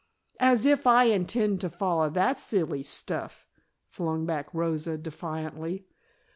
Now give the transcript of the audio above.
"As if I intend to follow that silly stuff," flung back Rosa, defiantly.